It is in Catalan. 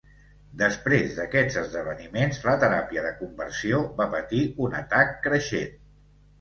Després d'aquests esdeveniments, la teràpia de conversió va patir un atac creixent.